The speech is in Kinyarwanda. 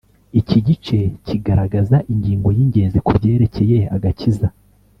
iki gice kigaragaza ingingo y'ingenzi kubyerekeye agakiza